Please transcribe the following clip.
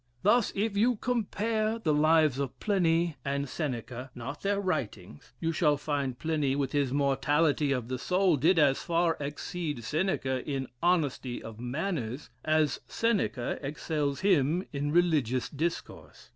Thus, if you compare the lives of Pliny and Seneca (not their writings,) you shall find Pliny, with his mortality of the soul, did as far exceed Seneca in honesty of manners, as Seneca excels him in religious discourse.